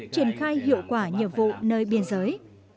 triển khai hiệu quả nhiệm vụ nơi biên giới